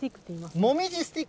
もみじスティック？